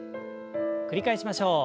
繰り返しましょう。